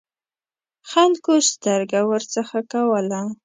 خلکو سترګه ورڅخه کوله.